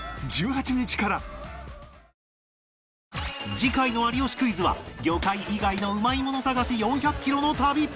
次回の『有吉クイズ』は魚介以外のうまいもの探し４００キロの旅